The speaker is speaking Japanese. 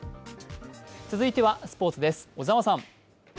続いてはスポーツです。